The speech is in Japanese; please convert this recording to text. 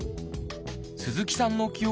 鈴木さんの記憶